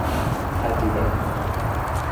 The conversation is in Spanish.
Arti Dec.